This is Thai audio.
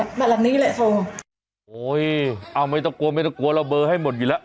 อ่ะแบบนี้แหละโอ้ยเอาไม่ต้องกลัวไม่ต้องกลัวเราเบอร์ให้หมดอยู่แล้ว